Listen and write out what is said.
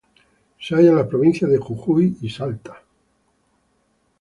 Se halla en las provincias de Jujuy y Salta.